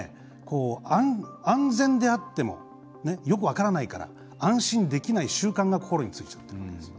安全であってもよく分からないから安心できない習慣が心についちゃってる。